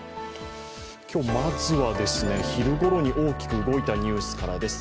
今日まずは昼ごろに大きく動いたニュースからです。